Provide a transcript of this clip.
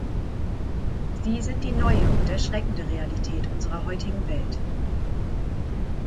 Sie sind die neue und erschreckende Realität unserer heutigen Welt.